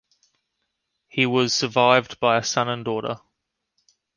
He was survived by a son and daughter.